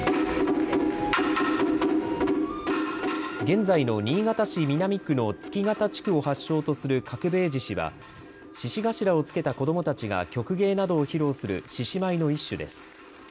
現在の新潟市南区の月潟地区を発祥とする角兵衛獅子は獅子頭をつけた子どもたちが曲芸などを披露する獅子舞の一種です。